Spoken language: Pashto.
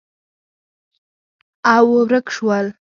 او، ورک شول